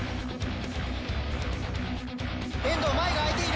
遠藤、前が空いている。